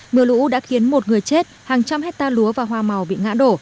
mưa lũ đã khiến một người chết hàng trăm hectare lúa và hoa màu bị ngã đổ